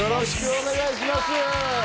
お願いします